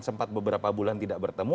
sempat beberapa bulan tidak bertemu